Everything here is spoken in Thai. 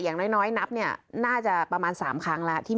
อย่างน้อยนับเนี่ยน่าจะประมาณ๓ครั้งแล้ว